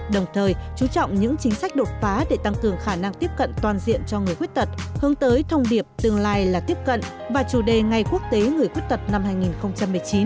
đồng thời chú trọng những chính sách đột phá để tăng cường khả năng tiếp cận toàn diện cho người khuyết tật hướng tới thông điệp tương lai là tiếp cận và chủ đề ngày quốc tế người khuyết tật năm hai nghìn một mươi chín